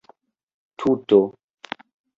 tuto